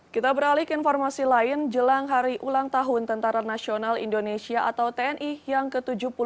kita beralih ke informasi lain jelang hari ulang tahun tni yang ke tujuh puluh dua